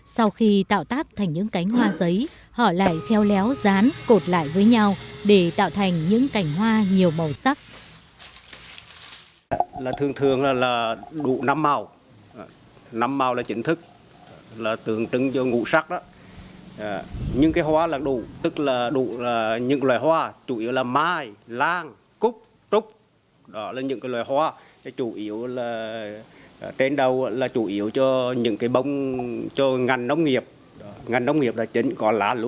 sau khi tạo tác thành những cánh hoa giấy họ lại kheo léo dán cột lại với nhau để tạo thành những cảnh hoa nhiều màu sắc